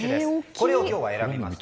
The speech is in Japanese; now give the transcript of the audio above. これを今日は選びました。